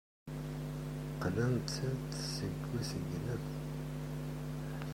Qqlent-d seg usegnaf.